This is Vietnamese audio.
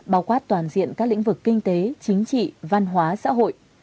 bao quát toàn diện các lĩnh vực kinh tế chính trị văn hóa xã hội